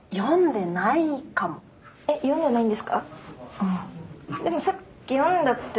えっ読んでないんですか？